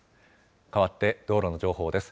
かわって、道路の情報です。